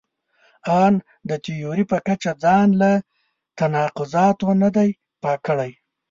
ان د تیوري په کچه ځان له تناقضاتو نه دی پاک کړی.